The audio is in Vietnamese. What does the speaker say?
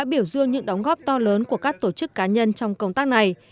biểu dương những đóng góp to lớn của các tổ chức cá nhân trong công tác này